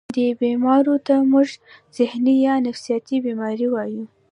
دې بيمارو ته مونږ ذهني يا نفسياتي بيمارۍ وايو